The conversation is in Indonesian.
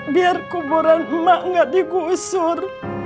biar kuburan emak nggak digusur